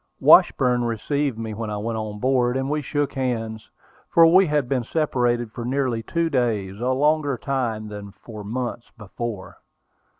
Washburn received me when I went on board, and we shook hands, for we had been separated for nearly two days, a longer time than for months before.